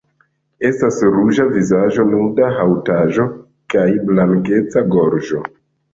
Estas ruĝa vizaĝa nuda haŭtaĵo kaj blankeca gorĝo.